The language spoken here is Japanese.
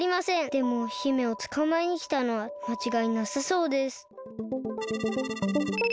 でも姫をつかまえにきたのはまちがいなさそうです。